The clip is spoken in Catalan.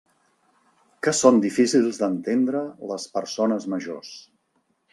Que són difícils d'entendre, les persones majors!